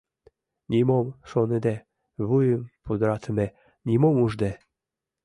Нимом шоныде, вуйым пудыратыде, нимом ужде.